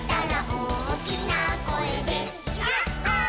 「おおきなこえでヤッホー」